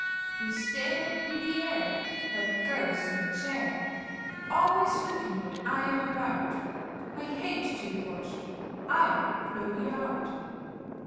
You stare In the air Like a ghost in a chair, Always looking what I am about; I hate to be watched I'll blow you out."